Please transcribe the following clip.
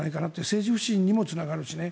政治不信にもつながるしね。